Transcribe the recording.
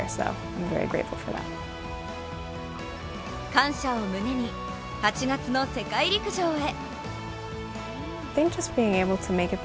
感謝を胸に、８月の世界陸上へ。